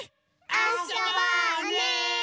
あそぼうね！